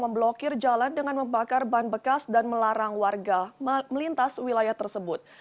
memblokir jalan dengan membakar ban bekas dan melarang warga melintas wilayah tersebut